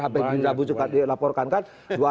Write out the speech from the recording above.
habib rijik juga dilaporkan kan